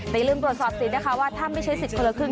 แต่อย่าลืมตรวจสอบสิทธินะคะว่าถ้าไม่ใช้สิทธิ์คนละครึ่ง